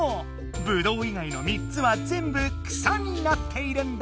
ぶどういがいの３つはぜんぶ「草」になっているんだ。